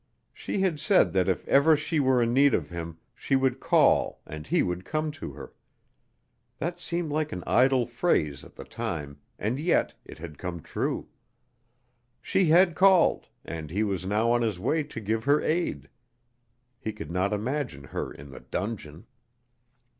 She had said that if ever she were in need of him, she would call and he would come to her. That seemed like an idle phrase at the time, and yet it had come true. She had called and he was now on his way to give her aid. He could not imagine her in the dungeon.